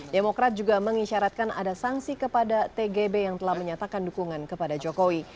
demokrat juga mengisyaratkan ada sanksi kepada tgb yang telah menyatakan dukungan kepada jokowi